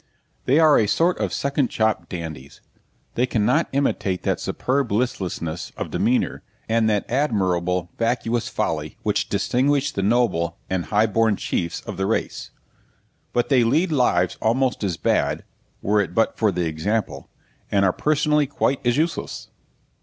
They are a sort of second chop dandies; they cannot imitate that superb listlessness of demeanour, and that admirable vacuous folly which distinguish the noble and high born chiefs of the race; but they lead lives almost as bad (were it but for the example), and are personally quite as useless.